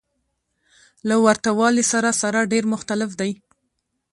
له ورته والي سره سره ډېر مختلف دى.